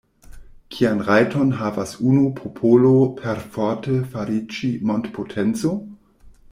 Kian rajton havas unu popolo perforte fariĝi mondpotenco?